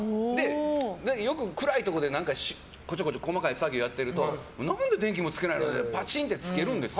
よく暗いところで何かこちょこちょ細かい作業をやってると何で電気もつけないの？ってパチンってつけるんです。